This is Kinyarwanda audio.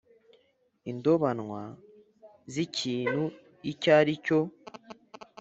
indobanywa z ikintu icyo ari cyo